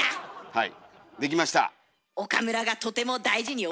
はい！